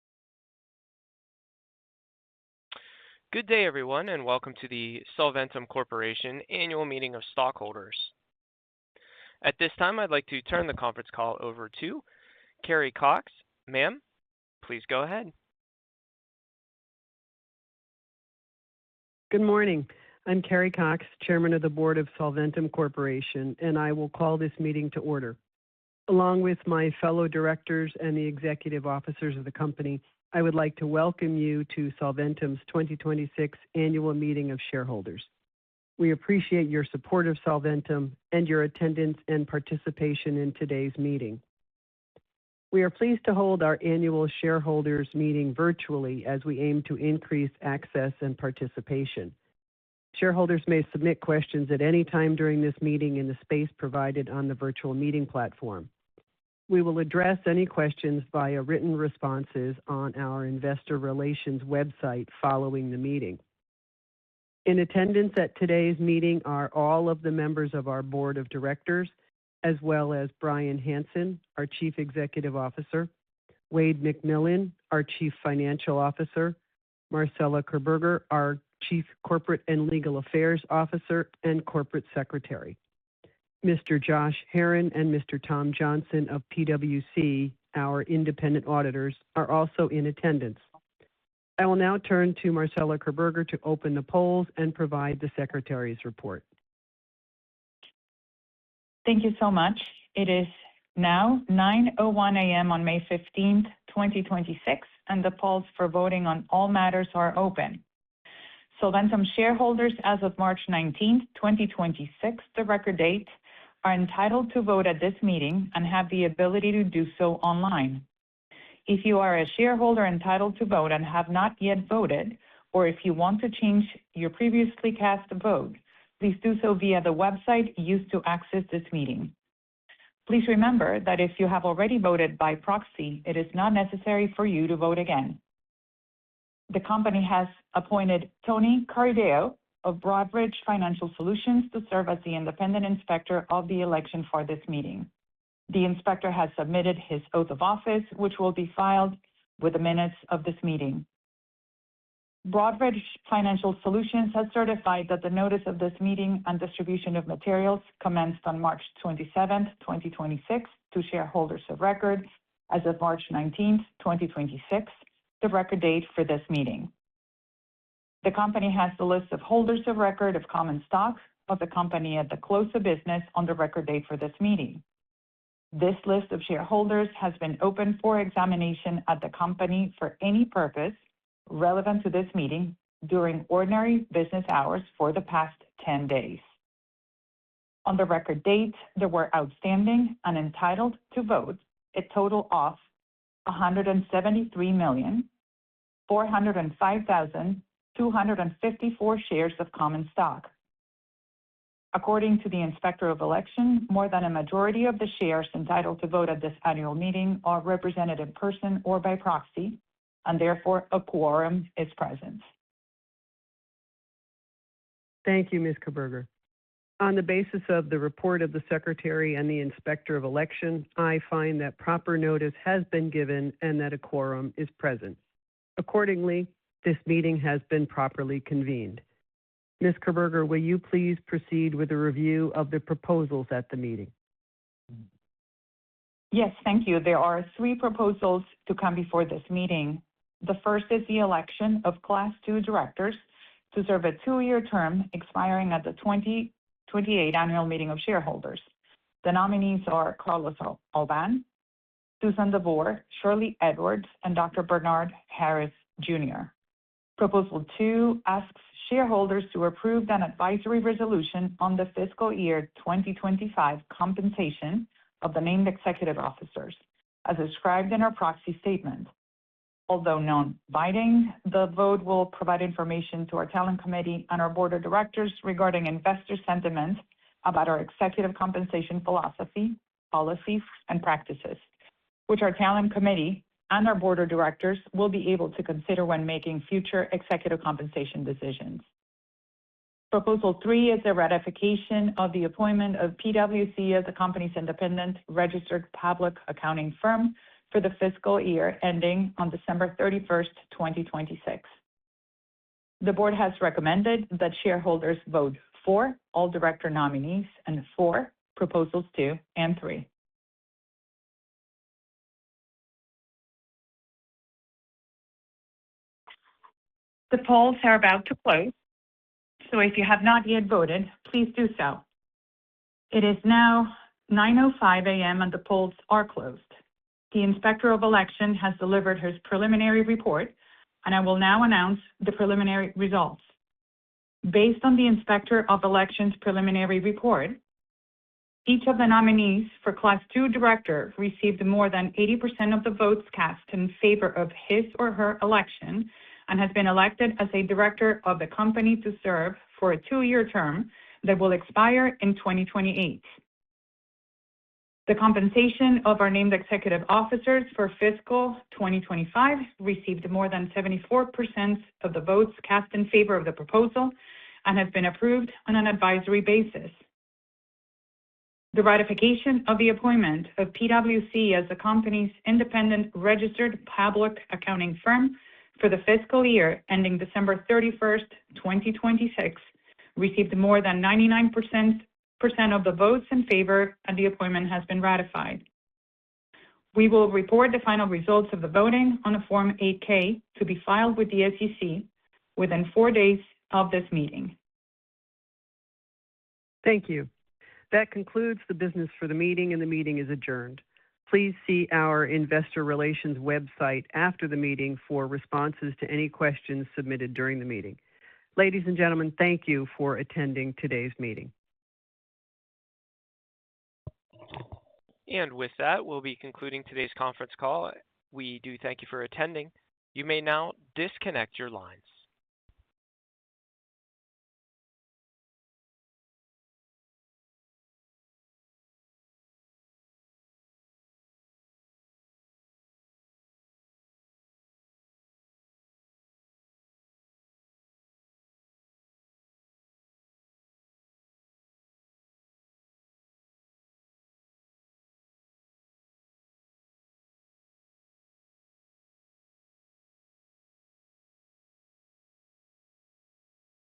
Good day, everyone, and welcome to the Solventum Corporation Annual Meeting of Stockholders. At this time, I'd like to turn the conference call over to Carrie Cox. Ma'am, please go ahead. Good morning. I'm Carrie Cox, Chairman of the Board of Solventum Corporation, and I will call this meeting to order. Along with my fellow directors and the executive officers of the company, I would like to welcome you to Solventum's 2026 Annual Meeting of Shareholders. We appreciate your support of Solventum and your attendance and participation in today's meeting. We are pleased to hold our annual shareholders meeting virtually as we aim to increase access and participation. Shareholders may submit questions at any time during this meeting in the space provided on the virtual meeting platform. We will address any questions via written responses on our investor relations website following the meeting. In attendance at today's meeting are all of the members of our Board of Directors, as well as Bryan Hanson, our Chief Executive Officer, Wayde McMillan, our Chief Financial Officer, Marcela Kirberger, our Chief Corporate and Legal Affairs Officer and Corporate Secretary. Mr. Josh Herron and Mr. Tom Johnson of PwC, our independent auditors, are also in attendance. I will now turn to Marcela Kirberger to open the polls and provide the secretary's report. Thank you so much. It is now 9:00 A.M. on May 15th, 2026. The polls for voting on all matters are open. Solventum shareholders as of March 19th, 2026, the record date, are entitled to vote at this meeting and have the ability to do so online. If you are a shareholder entitled to vote and have not yet voted, or if you want to change your previously cast vote, please do so via the website used to access this meeting. Please remember that if you have already voted by proxy, it is not necessary for you to vote again. The company has appointed Tony Cardea of Broadridge Financial Solutions to serve as the independent inspector of the election for this meeting. The inspector has submitted his oath of office, which will be filed with the minutes of this meeting. Broadridge Financial Solutions has certified that the notice of this meeting and distribution of materials commenced on March 27, 2026 to shareholders of record as of March 19, 2026, the record date for this meeting. The company has the list of holders of record of common stocks of the company at the close of business on the record date for this meeting. This list of shareholders has been open for examination at the company for any purpose relevant to this meeting during ordinary business hours for the past 10 days. On the record date, there were outstanding and entitled to vote a total of 173,405,254 shares of common stock. According to the Inspector of Election, more than a majority of the shares entitled to vote at this annual meeting are represented in person or by proxy, and therefore, a quorum is present. Thank you, Ms. Kirberger. On the basis of the report of the secretary and the inspector of election, I find that proper notice has been given and that a quorum is present. Accordingly, this meeting has been properly convened. Ms. Kirberger, will you please proceed with a review of the proposals at the meeting? Yes, thank you. There are three proposals to come before this meeting. The first is the election of Class II directors to serve a two-year term expiring at the 2028 Annual Meeting of Shareholders. The nominees are Carlos Alban, Susan DeVore, Shirley Edwards, and Dr. Bernard Harris Jr. Proposal two asks shareholders to approve an advisory resolution on the fiscal year 2025 compensation of the named executive officers, as described in our proxy statement. Although non-binding, the vote will provide information to our Talent Committee and our board of directors regarding investor sentiment about our executive compensation philosophy, policy, and practices, which our Talent Committee and our board of directors will be able to consider when making future executive compensation decisions. Proposal three is the ratification of the appointment of PwC as the company's independent registered public accounting firm for the fiscal year ending on December 31st, 2026. The board has recommended that shareholders vote for all director nominees and for proposals two and three. The polls are about to close, so if you have not yet voted, please do so. It is now 9:00 A.M., and the polls are closed. The Inspector of Election has delivered his preliminary report, and I will now announce the preliminary results. Based on the Inspector of Election's preliminary report, each of the nominees for Class II director received more than 80% of the votes cast in favor of his or her election and has been elected as a director of the company to serve for a two-year term that will expire in 2028. The compensation of our named executive officers for fiscal 2025 received more than 74% of the votes cast in favor of the proposal and has been approved on an advisory basis. The ratification of the appointment of PwC as the company's independent registered public accounting firm for the fiscal year ending December 31st, 2026, received more than 99% of the votes in favor, and the appointment has been ratified. We will report the final results of the voting on a Form 8-K to be filed with the SEC within four days of this meeting. Thank you. That concludes the business for the meeting, and the meeting is adjourned. Please see our investor relations website after the meeting for responses to any questions submitted during the meeting. Ladies and gentlemen, thank you for attending today's meeting. With that, we'll be concluding today's conference call. We do thank you for attending. You may now disconnect your lines.